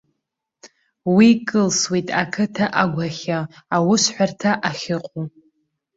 Уи кылсуеит ақыҭа агәахьы, аусҳәарҭа ахьыҟоу.